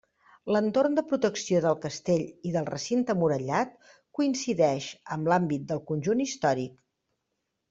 L'entorn de protecció del castell i del recinte murallat coincidix amb l'àmbit del conjunt històric.